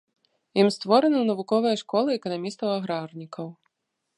Ім створана навуковая школа эканамістаў-аграрнікаў.